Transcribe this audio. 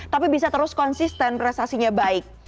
tapi bisa terus konsisten prestasinya baik